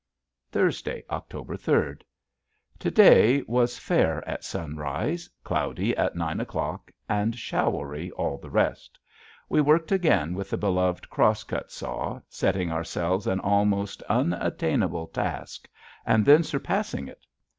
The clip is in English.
Thursday, October third. To day was fair at sunrise, cloudy at nine o'clock, and showery all the rest. We worked again with the beloved cross cut saw, setting ourselves an almost unattainable task and then surpassing it.